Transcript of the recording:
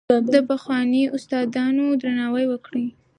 د پخوانیو استادانو درناوی وکړئ.